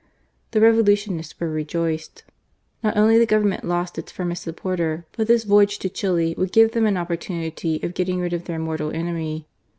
The Revolutionists were rejoiced : not only the Government lost its firmest supporter, but this voyage to Chili would give them an opportunity of getting rid of their mortal enemy.